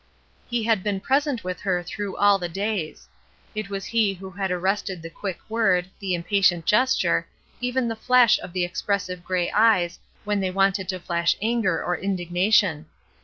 He had been present with her through all the days; it was He who had arrested the quick word, the impatient gesture, even the flash of the expressive gray eyes when they wanted to flash anger or indignation.